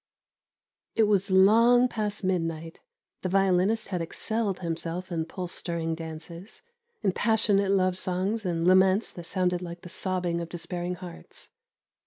It was long past midnight; the violinist had excelled himself in pulse stirring dances, in passionate love songs and laments that sounded like the sobbing of despairing hearts.